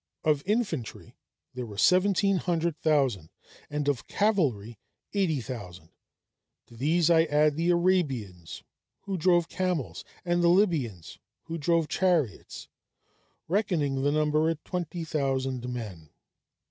Of infantry there were seventeen hundred thousand, and of cavalry eighty thousand; to these I add the Arabians who drove camels, and the Libyans who drove chariots, reckoning the number at twenty thousand men.